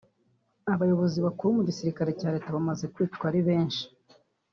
abayobozi bakuru mu gisirikare cya leta bamaze kwicwa ari benshi